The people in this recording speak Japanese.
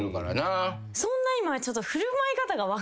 そんな今。